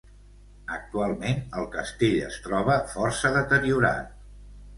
Actualment, el castell es troba força deteriorat.